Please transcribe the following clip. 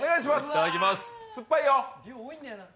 いただきます。